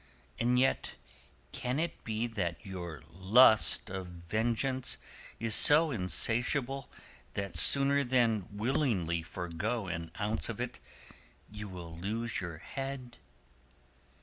And yet can it be that your lust of vengeance is so insatiable that sooner than willingly forgo an ounce of it you will lose your head?"